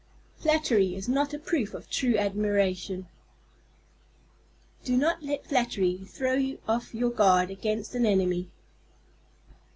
Flattery is not a proof of true admiration. _Do not let flattery throw you off your guard against an enemy.